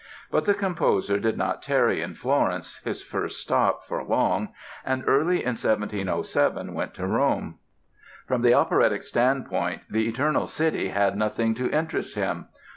But the composer did not tarry in Florence, his first stop, for long and early in 1707 went to Rome. From the operatic standpoint the Eternal City had nothing to interest him.